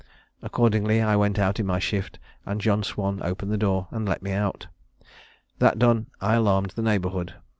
Accordingly I went out in my shift, and John Swan opened the door and let me out. That done, I alarmed the neighbourhood.